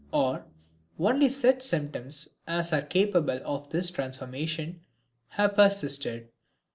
Or, only such symptoms as are capable of this transformation have persisted.